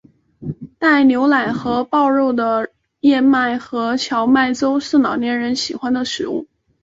带牛奶和狍肉的燕麦和荞麦粥是老年人喜欢的食物。